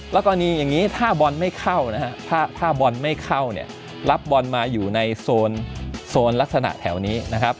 แล้วก็อันนี้อย่างนี้ถ้าบอลไม่เข้าถ้าบอลไม่เข้ารับบอลมาอยู่ในโซนลักษณะแถวนี้